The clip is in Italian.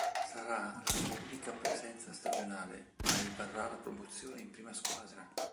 Sarà la sua unica presenza stagionale ma gli varrà la promozione in prima squadra.